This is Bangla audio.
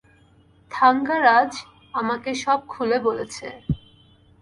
থাঙ্গারাজ আমাকে সব খুলে বলেছে।